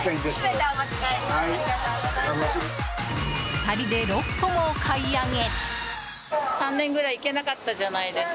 ２人で６個もお買い上げ。